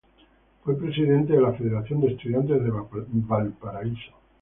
Fue presidente de la Federación de Estudiantes de Valparaíso.